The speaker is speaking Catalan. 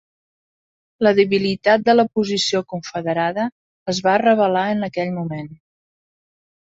La debilitat de la posició confederada es va revelar en aquell moment.